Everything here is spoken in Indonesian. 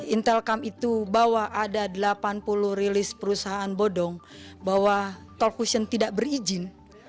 intelcam itu bahwa ada delapan puluh rilis perusahaan bodong bahwa talkfusion tidak berizin